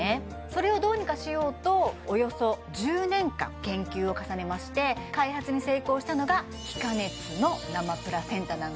それをどうにかしようとおよそ１０年間研究を重ねまして開発に成功したのがへえすごーい